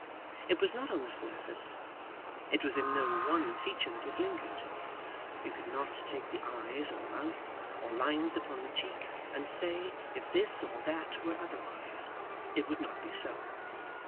It was not on the surface. It was in no one feature that it lingered. You could not take the eyes or mouth, or lines upon the cheek, and say, if this or that were otherwise, it would not be so.